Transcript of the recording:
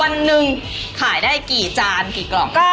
วันหนึ่งขายได้กี่จานกี่กล่อง